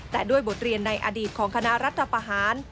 แต่ด้วยบทเรียนในอดีตของคณะรัฐประหาร